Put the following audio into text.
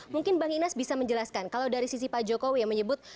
mungkin bang inas bisa menjelaskan kalau dari sisi pak jokowi yang menyebut